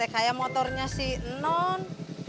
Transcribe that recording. kayak motornya si non